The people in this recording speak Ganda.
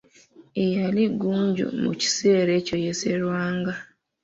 Eyali Ggunju mu kiseera ekyo ye Sserwanga.